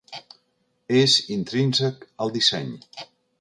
És intrínsec al disseny.